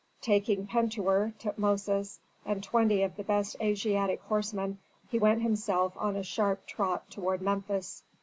Taking Pentuer, Tutmosis, and twenty of the best Asiatic horsemen, he went himself on a sharp trot toward Memphis.